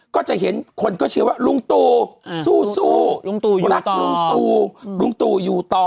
ก็จะเห็นคนก็เชียร์ว่าลุงตู่สู้รักลุงตู่ลุงตู่อยู่ต่อ